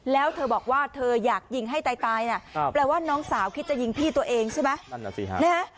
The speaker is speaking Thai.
แล้วเธอบอกว่าเธออยากยิงให้ตายนะแปลว่าน้องสาวคิดจะยิงพี่ตัวเองใช่ไหม